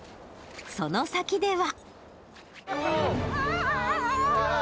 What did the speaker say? その先では。